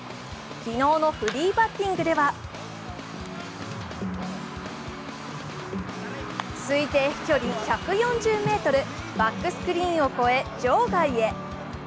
昨日のフリーバッティングでは、推定飛距離１４０ｍ、バックスクリーンを越え場外へ。